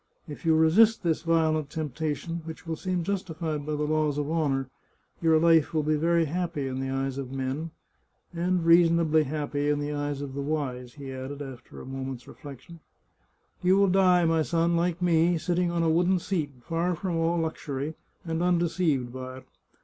If you resist this violent temptation, which will seem justified by the laws of honour, your life will be very happy in the eyes of men ... and reasonably happy in the eyes of the wise," he added, after a moment's reflection. "You will die, my son, like me, sitting on a wooden seat, far from all luxury, and undeceived by it.